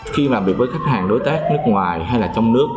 khi làm việc với khách hàng đối tác nước ngoài hay là trong nước